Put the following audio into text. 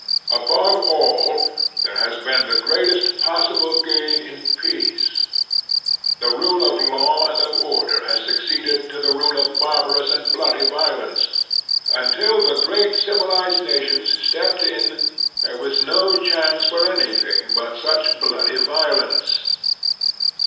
Above all, there has been the greatest possible gain in peace. 3 34 The Strenuous Life The rule of law and of order has succeeded to the rule of barbarous and bloody violence. Until the great civilized nations stepped in there was no chance for anything but such bloody violence.